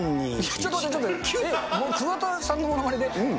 ちょっとちょっと、僕、桑田さんのものまねで？